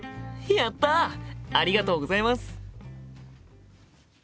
ありがとうございます。